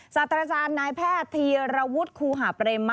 สัตว์อาจารย์นายแพทย์ธีรวุฒิครูหาเปรม